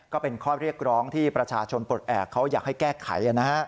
ก็เป็นข้อเรียกร้องที่ประชาชนปลดแอบเขาอยากให้แก้ไข